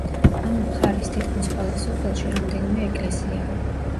ამ მხარის თითქმის ყველა სოფელში რამდენიმე ეკლესიაა.